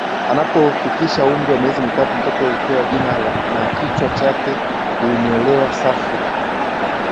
Anapofikisha umri wa miezi mitatu mtoto hupewa jina na kichwa chake hunyolewa safi